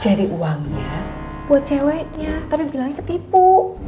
jadi uangnya buat ceweknya tapi bilangnya ketipu